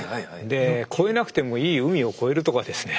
で越えなくてもいい海を越えるとかですね。